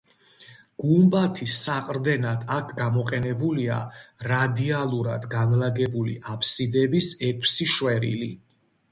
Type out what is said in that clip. გუმბათის საყრდენად აქ გამოყენებულია რადიალურად განლაგებული აფსიდების ექვსი შვერილი.